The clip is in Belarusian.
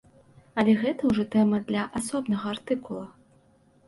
Але гэта ўжо тэма для асобнага артыкула.